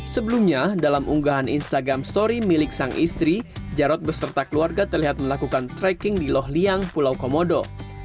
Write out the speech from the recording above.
sebelumnya dalam unggahan instagram story milik sang istri jarod beserta keluarga terlihat melakukan trekking di loh liang pulau komodo